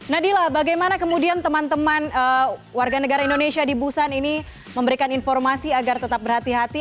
nadila bagaimana kemudian teman teman warga negara indonesia di busan ini memberikan informasi agar tetap berhati hati